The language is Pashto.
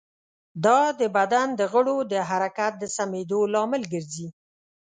دا د بدن د غړو د حرکت د سمېدو لامل ګرځي.